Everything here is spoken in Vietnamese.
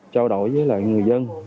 trao đổi với người dân